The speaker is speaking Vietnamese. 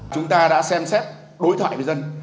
chúng ta đã xem xét đối thoại với dân